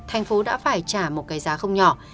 thành phố đã phải trả một cái giá không nhỏ